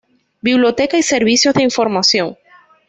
Biblioteca y Servicios de Información